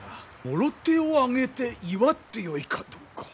もろ手を挙げて祝ってよいかどうか。